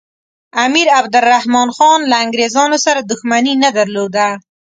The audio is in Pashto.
امیر عبدالرحمن خان له انګریزانو سره دښمني نه درلوده.